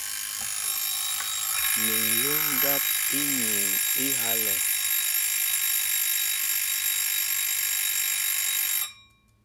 Mi ŋ̀luŋ ndáp íniin á ihálɛ̄.